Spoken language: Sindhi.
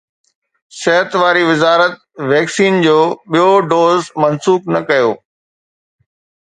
صحت واري وزارت ويڪسين جو ٻيو دوز منسوخ نه ڪيو